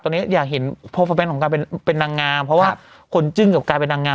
ตอนนี้อยากเห็นโปรโมทของการเป็นนางงามเพราะว่าคนจึ้งกับการเป็นนางงาม